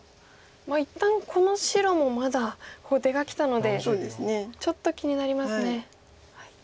一旦この白もまだここ出がきたのでちょっと気になりますね。